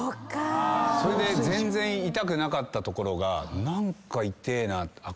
それで全然痛くなかった所が何か痛えなあっ！